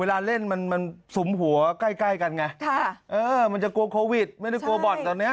เวลาเล่นมันมันสุมหัวใกล้ใกล้กันไงถ้าเออมันจะกลัวโควิดไม่ได้กลัวบ่อนตอนเนี้ย